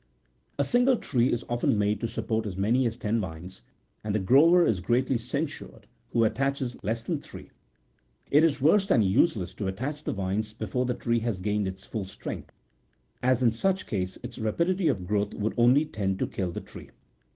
A single tree is often made to support as many as ten vines, and the grower is greatly censured who attaches less than three. It is worse than useless to attach the vine before the tree has gained its full strength, as in such case its rapidity of growth would only tend to kill the tree.